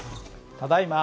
ただいま。